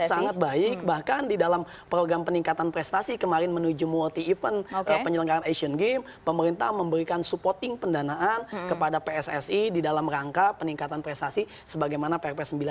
sangat baik bahkan di dalam program peningkatan prestasi kemarin menuju multi event penyelenggaraan asian games pemerintah memberikan supporting pendanaan kepada pssi di dalam rangka peningkatan prestasi sebagaimana prp sembilan puluh